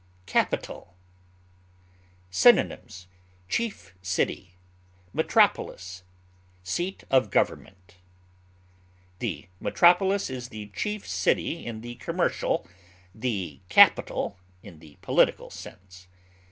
CAPITAL. Synonyms: chief city, metropolis, seat of government. The metropolis is the chief city in the commercial, the capital in the political sense.